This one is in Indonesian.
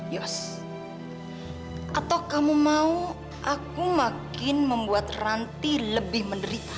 yos atau kamu mau aku makin membuat ranti lebih menderita